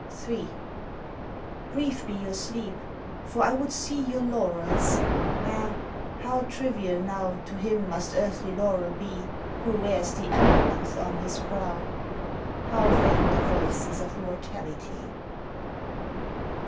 III Brief be your sleep, for I would see Your laurels ah, how trivial now To him must earthly laurel be Who wears the amaranth on his brow! How vain the voices of mortality!